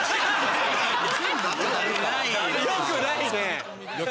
よくないね。